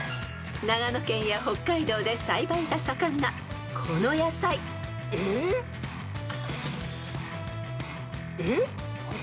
［長野県や北海道で栽培が盛んなこの野菜］えっ！？